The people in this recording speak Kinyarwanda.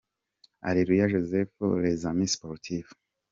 Aleluya Joseph – Les Amis Sportifs “”.